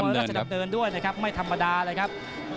ราชดำเนินด้วยนะครับไม่ธรรมดาเลยครับ